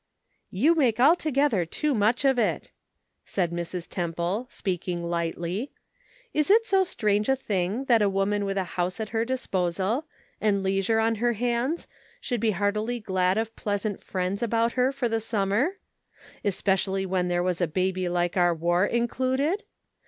" You make altogether too much of it," said Mrs, Temple, speaking lightly ;" is it so strange a thing that a woman with a house at her dis 380 The Pocket Measure. posal, and leisure on her hands, should be heartily glad of pleasant friends about her for the summer? Especially when there was a baby like our War included